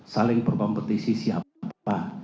saling berkompetisi siapa